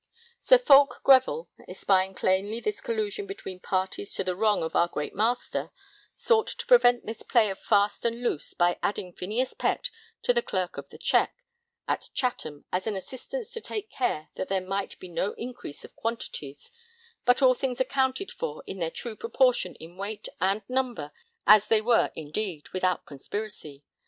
Sir Foulke Greville, espying plainly this collusion between parties to the wrong of our great Master, sought to prevent this play of fast and loose by adding Phineas Pett to the Clerk of the Check at Chatham as an assistance to take care that there might be no increase of quantities, but all things accounted for in their true proportion in weight and number as they were indeed, without conspiracy.